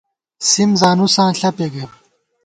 سِم زانُساں ݪپےگئیم